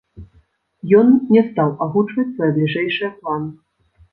Ён не стаў агучваць свае бліжэйшыя планы.